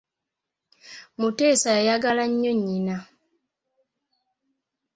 Mutesa yayagala nnyo nnyina.